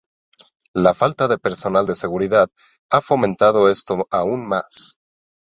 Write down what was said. La falta de personal de seguridad ha fomentado esto aún más.